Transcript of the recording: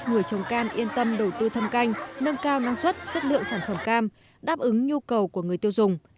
người trồng cam yên tâm đầu tư thâm canh nâng cao năng suất chất lượng sản phẩm cam đáp ứng nhu cầu của người tiêu dùng